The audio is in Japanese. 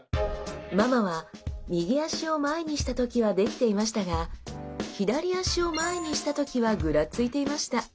ママは右脚を前にした時はできていましたが左脚を前にした時はぐらついていました。